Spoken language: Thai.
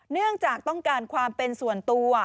เนื่องจากต้องการความเป็นส่วนตัว